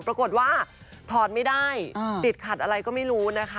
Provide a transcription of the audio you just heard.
ปรากฏว่าถอดไม่ได้ติดขัดอะไรก็ไม่รู้นะคะ